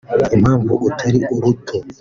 impamvu atari ruto